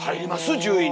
１０位に。